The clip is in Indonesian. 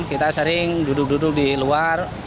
kita sering duduk duduk di luar